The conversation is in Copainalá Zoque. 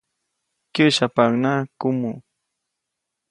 Kyäsyapaʼuŋnaʼak kumuʼ.